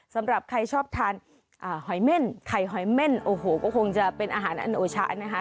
สำหรับใครชอบทานหอยเม่นไข่หอยเม่นโอ้โหก็คงจะเป็นอาหารอันโอชะนะคะ